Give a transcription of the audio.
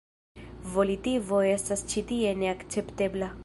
Volitivo estas ĉi tie neakceptebla.